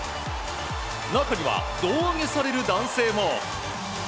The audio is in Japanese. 中には胴上げされる男性も。